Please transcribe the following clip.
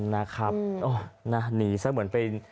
นะครับหนีซะเหมือนเป็น